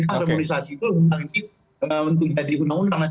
kita harmonisasi itu untuk jadi undang undang nanti